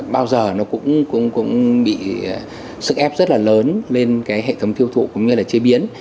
bao giờ nó cũng bị sức ép rất là lớn lên cái hệ thống tiêu thụ cũng như là chế biến